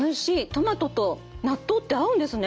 トマトと納豆って合うんですね！